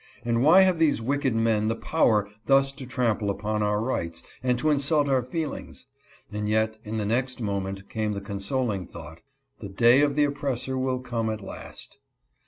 and why have these wicked men the power thus to trample upon our rights, and to insult our feelings ? and yet in the next moment came the consoling thought, "the day of the oppressor will come at last."